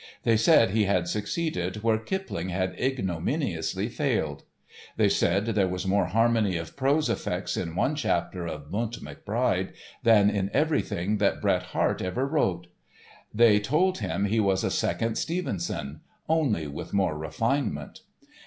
They said he had succeeded where Kipling had ignominiously failed. They said there was more harmony of prose effects in one chapter of "Bunt McBride" than in everything that Bret Harte ever wrote. They told him he was a second Stevenson—only with more refinement.